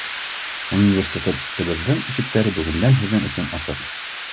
Университетыбыҙҙың ишектәре бөгөндән һеҙҙең өсөн асыҡ!